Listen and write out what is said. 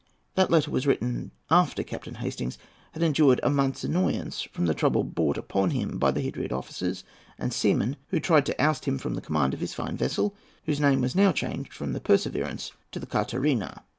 That letter was written after Captain Hastings had endured a month's annoyance from the trouble brought upon him by the Hydriot officers and seamen who tried to oust him from the command of his fine vessel, whose name was now changed from the Perseverance to the Karteria.